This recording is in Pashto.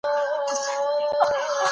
زه بايد اوبه وڅښم.